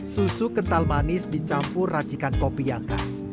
susu kental manis dicampur racikan kopi yang khas